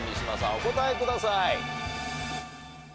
お答えください。